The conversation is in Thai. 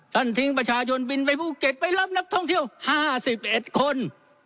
ทิ้งประชาชนบินไปภูเก็ตไปรับนักท่องเที่ยว๕๑คน